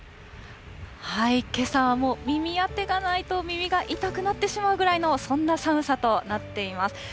けさはもう、耳当てがないと耳が痛くなってしまうぐらいの、そんな寒さとなっています。